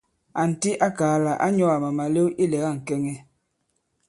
Ànti a kàa lā ǎ nyɔ̄ àma màlew ilɛ̀ga ŋ̀kɛŋɛ.